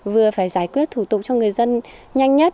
vừa phải giải quyết thủ tục cho người dân nhanh nhất